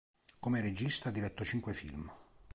Come regista ha diretto cinque film.